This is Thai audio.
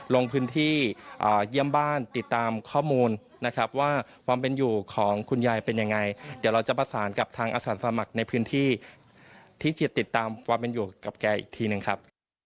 ลงพื้นที่เยี่ยมบ้านติดตามข้อมูลนะครับว่าความเป็นอยู่ของคุณยายเป็นยังไงเดี๋ยวเราจะประสานกับทางอาสาสมัครในพื้นที่ที่จะติดตามความเป็นอยู่กับแกอีกทีหนึ่งครับ